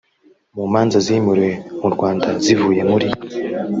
mu manza zimuriwe mu rwanda zivuye muri